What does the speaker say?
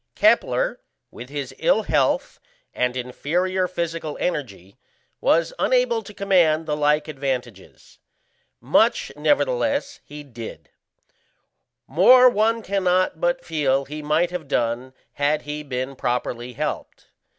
Kepler, with his ill health and inferior physical energy, was unable to command the like advantages. Much, nevertheless, he did; more one cannot but feel he might have done had he been properly helped.